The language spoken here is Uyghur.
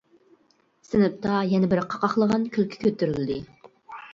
سىنىپتا يەنە بىر قاقاقلىغان كۈلكە كۆتۈرۈلدى.